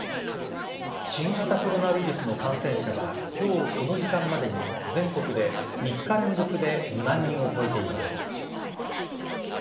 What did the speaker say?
新型コロナウイルスの感染者は今日この時間までに全国で３日連続で２万人を超えています。